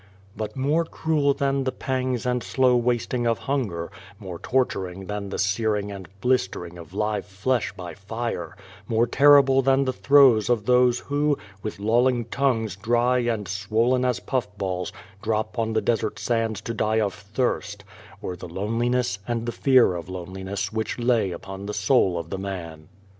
But more cruel than the pangs and slow wasting of hunger, more torturing than the searing and blistering of live flesh by fire, more terrible than the throes of those who, with lolling tongues dry and swollen as puff balls, drop on the desert sands to die of thirst, 26 The Dream of the Dead Folk were the loneliness and the fear of loneliness which lay upon the soul of the man.